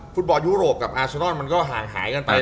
ฟุตบอลยุโรปกับอาชนอนมันก็ห่างหายกันไป